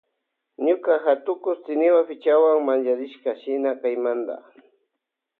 Ñuka hatuku tsiniwan pichawan mancharishka shina kaymanta.